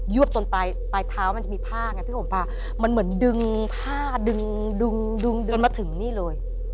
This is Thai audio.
ยวบตรงปลายเท้ามันจะมีผ้ามันเหมือนดึงผ้าดึงมาถึงนี่เลย